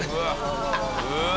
うわ！